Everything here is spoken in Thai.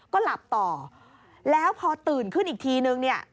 ก็หลับต่อแล้วพอตื่นขึ้นอีกทีนึงเนี่ย